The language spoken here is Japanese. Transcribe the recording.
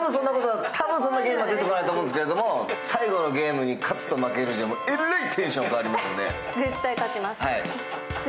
たぶん、そんなゲームは出てこないと思うんですけど、最後のゲームに勝つと負けるじゃ、えらいテンション変わりますので。